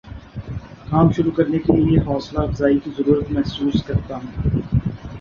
کام شروع کرنے کے لیے حوصلہ افزائی کی ضرورت محسوس کرتا ہوں